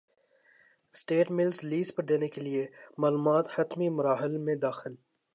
steel mills lease پر دینے کیلئے معاملات حتمی مراحل میں داخل